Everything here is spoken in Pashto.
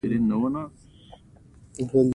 په تاسو کې څوک لومړی بریدمن دی